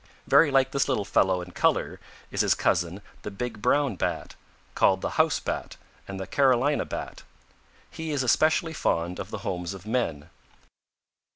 "Very like this little fellow in color is his cousin the Big Brown Bat, called the House Bat and the Carolina Bat. He is especially fond of the homes of men.